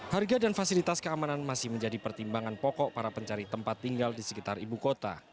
harga dan fasilitas keamanan masih menjadi pertimbangan pokok para pencari tempat tinggal di sekitar ibu kota